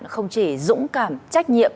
không chỉ dũng cảm trách nhiệm